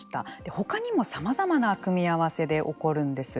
ほかにも、さまざまな組み合わせで起こるんです。